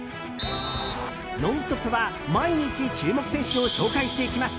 「ノンストップ！」は毎日注目選手を紹介していきます。